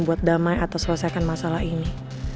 buat damai atau selesaikan masalah ini